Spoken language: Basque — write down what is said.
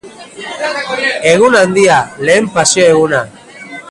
Egun haundia, lehen paseo eguna.